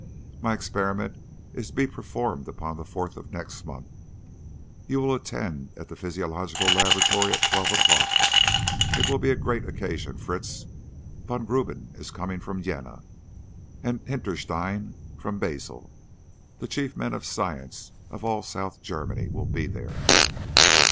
My experiment is to be performed upon the fourth of next month. You will attend at the physiological laboratory at twelve o'clock. It will be a great occasion, Fritz. Von Gruben is coming from Jena, and Hinterstein from Basle. The chief men of science of all South Germany will be there.